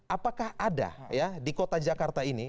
apakah ada ya di kota jakarta ini